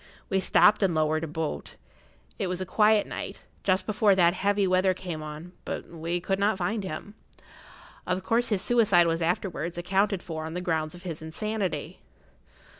We stopped and lowered a boat; it was a quiet night, just before that heavy weather came on; but we could not find him. Of course his suicide was afterwards accounted for on the ground of his insanity."